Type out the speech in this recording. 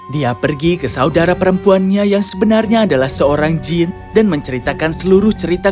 dia pergi ke saudara perempuannya yang sebenarnya adalah seorang jin dan menceritakan seluruh cerita